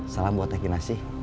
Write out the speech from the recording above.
salam buat teki nasi